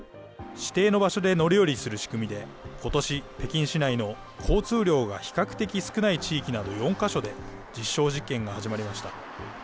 指定の場所で乗り降りする仕組みで、ことし、北京市内の交通量が比較的少ない地域など４か所で、実証実験が始まりました。